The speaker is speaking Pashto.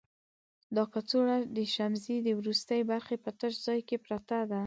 دا کڅوړه د شمزۍ د وروستي برخې په تش ځای کې پرته ده.